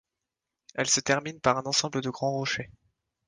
Elle se termine par un ensemble de grands rochers.